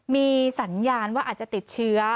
มีสัญญาณว่าอาจจะติดเชื้อ